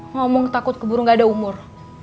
ngomong takut keburu gak ada umur